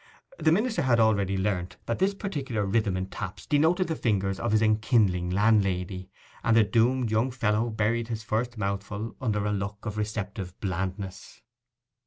The minister had already learnt that this particular rhythm in taps denoted the fingers of his enkindling landlady, and the doomed young fellow buried his first mouthful under a look of receptive blandness.